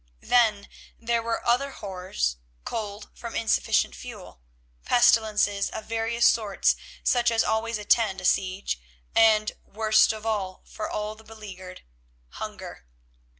Then there were other horrors; cold from insufficient fuel, pestilences of various sorts such as always attend a siege, and, worst of all for the beleaguered, hunger.